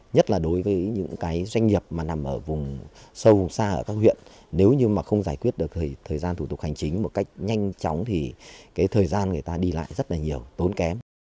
nhất là đối với những cái doanh nghiệp mà nằm ở vùng sâu xa ở các huyện nếu như mà không giải quyết được thời gian thủ tục hành chính một cách nhanh chóng thì cái thời gian người ta đi lại rất là nhiều tốn kém